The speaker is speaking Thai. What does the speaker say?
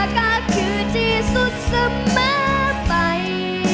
ก็คือที่สุดเสมอไป